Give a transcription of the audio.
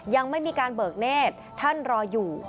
ยังไม่มีการเบิกเนธท่านรออยู่